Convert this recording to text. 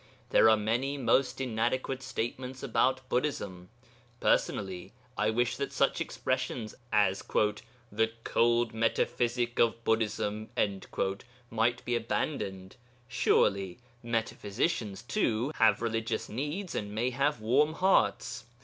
There are many most inadequate statements about Buddhism. Personally, I wish that such expressions as 'the cold metaphysic of Buddhism' might be abandoned; surely metaphysicians, too, have religious needs and may have warm hearts.